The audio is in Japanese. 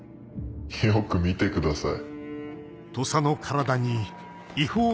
よく見てください。